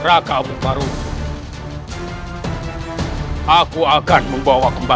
aku tidak akan melupakannya